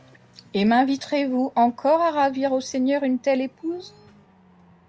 Et m'inviterez-vous encore à ravir au Seigneur une telle épouse?